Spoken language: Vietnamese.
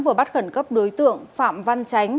vừa bắt khẩn cấp đối tượng phạm văn chánh